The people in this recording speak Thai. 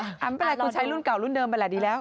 ไม่เป็นไรคุณใช้รุ่นเก่ารุ่นเดิมไปแหละดีแล้ว